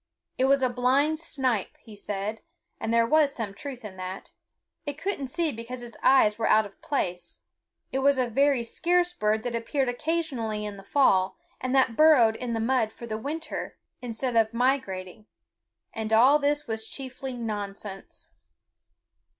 It was a blind snipe, he said; and there was some truth in that. It couldn't see because its eyes were out of place; it was a very scarce bird that appeared occasionally in the fall, and that burrowed in the mud for the winter instead of migrating, and all this was chiefly nonsense.